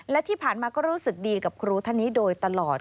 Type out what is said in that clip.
และที่ผ่านมาก็รู้สึกดีกับครูท่านนี้โดยตลอด